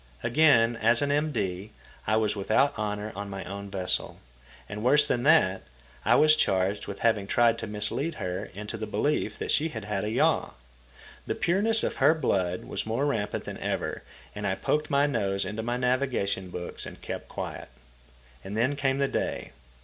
Again, as an M.D., I was without honour on my own vessel; and, worse than that, I was charged with having tried to mislead her into the belief that she had had a yaw. The pureness of her blood was more rampant than ever, and I poked my nose into my navigation books and kept quiet. And then came the day.